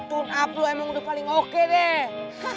tune up lo emang udah paling oke deh